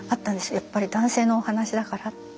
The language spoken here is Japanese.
やっぱり男性のお話だからっていう。